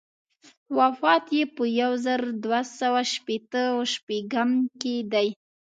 وفات یې په یو زر دوه سوه شپېته و شپږم کې دی.